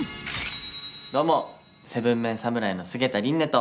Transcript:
どうも７ＭＥＮ侍の菅田琳寧と。